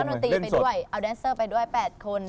ดนตรีไปด้วยเอาแดนเซอร์ไปด้วย๘คน